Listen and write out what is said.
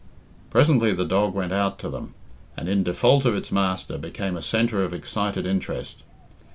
Presently the dog went out to them, and, in default of its master, became a centre of excited interest.